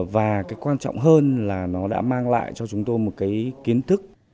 và cái quan trọng hơn là nó đã mang lại cho chúng tôi một cái kiến thức